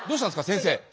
「先生！」。